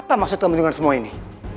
apa maksud kami dengan semua ini